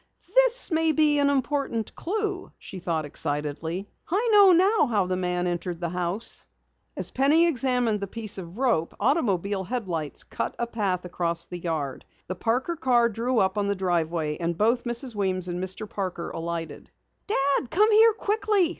"This may be an important clue!" she thought excitedly. "I know now how the man entered the house!" As Penny examined the piece of rope, automobile headlight beams cut a path across the yard. The Parker car drew up on the driveway and both Mrs. Weems and Mr. Parker alighted. "Dad, come here quickly!"